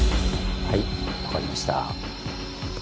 はいわかりました。